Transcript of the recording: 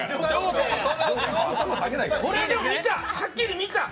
俺、でも、はっきり見た。